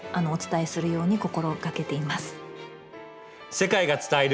世界が伝える。